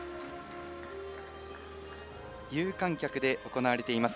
有観客で行われています。